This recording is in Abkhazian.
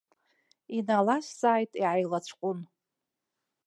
Иналазҵааит, иааилацәҟәын.